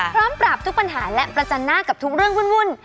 พร้อมปรับทุกปัญหาและประจันหน้ากับทุกเรื่องวุ่น